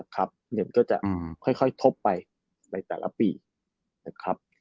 ครับเนี่ยมันก็จะค่อยทบไปในแต่ละปีนะครับ